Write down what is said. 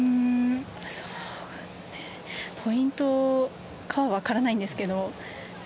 ポイントかは分からないんですけど